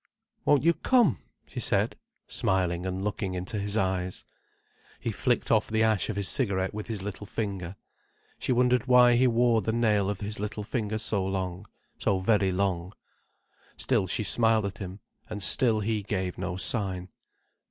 "Won't you come?" she said, smiling and looking into his eyes. He flicked off the ash of his cigarette with his little finger. She wondered why he wore the nail of his little finger so long, so very long. Still she smiled at him, and still he gave no sign.